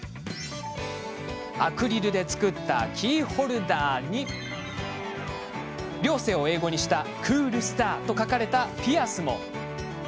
アクリルで作ったキーホルダーに涼星を英語にした「クールスター」と書かれたピアスも。